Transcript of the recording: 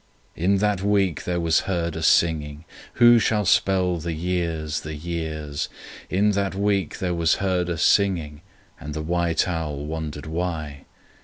In that week there was heard a singing— Who shall spell the years, the years!— In that week there was heard a singing, And the white owl wondered why.